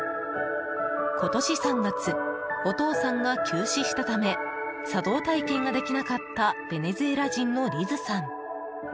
今年３月お父さんが急死したため茶道体験ができなかったベネズエラ人のリズさん。